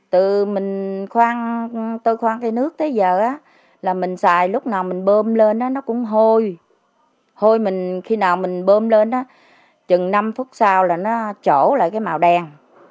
từ mình khoan tôi khoan cây nước tới giờ là mình xài lúc nào mình bơm lên nó cũng hôi mình khi nào mình bơm lên đó chừng năm phút sau là nó chỗ lại cái màu đen